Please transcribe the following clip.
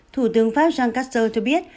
thủ tướng pháp jean castel cho biết